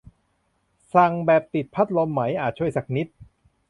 สั่งแบบติดพัดลมไหม อาจช่วยสักนิด